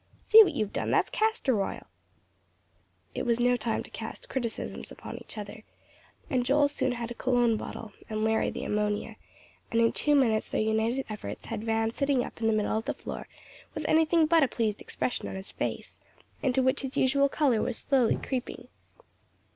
"See what you've done; that's castor oil." [Illustration: "SEE WHAT YOU'VE DONE; THAT'S CASTOR OIL."] It was no time to cast criticisms upon each other, and Joel soon had a cologne bottle, and Larry the ammonia, and in two minutes their united efforts had Van sitting up in the middle of the floor with anything but a pleased expression on his face, into which his usual color was slowly creeping.